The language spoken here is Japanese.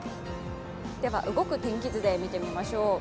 動く天気図で見てみましょう。